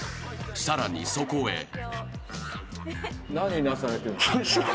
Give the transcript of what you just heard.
［さらにそこへ］